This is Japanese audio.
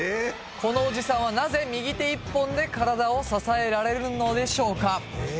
このおじさんはなぜ右手一本で体を支えられるのでしょうか？